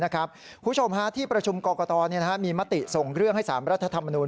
คุณผู้ชมที่ประชุมกรกตมีมติส่งเรื่องให้๓รัฐธรรมนูล